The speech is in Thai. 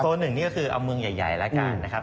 โซน๑นี่ก็คือเอาเมืองใหญ่แล้วกัน